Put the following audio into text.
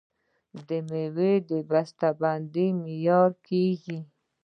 د میوو بسته بندي معیاري کیږي.